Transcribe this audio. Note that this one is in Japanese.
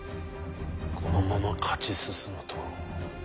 このまま勝ち進むと。